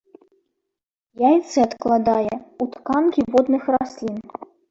Яйцы адкладае ў тканкі водных раслін.